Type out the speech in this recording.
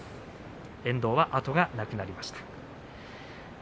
遠藤は後がなくなりました。